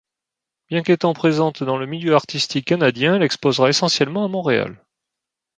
Bien qu'étant présente dans le milieu artistique canadien, elle exposera essentiellement à Montréal.